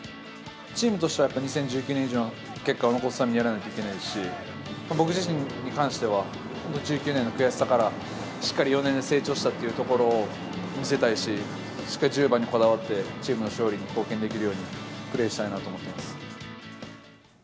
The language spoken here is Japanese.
チームとしては、やっぱり２０１９年以上の結果を残すためにやらないといけないし、僕自身に関しては、１９年の悔しさから、しっかり４年で成長したというところを見せたいし、しっかり１０番にこだわって、チームの勝利に貢献できるようにプレーしたいなと思っています。